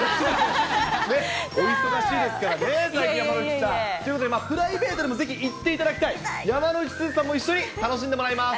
お忙しいですからね、山之内さん。ということで、プライベートでもぜひ行っていただきたい、山之内すずさんも一緒に楽しんでもらいます。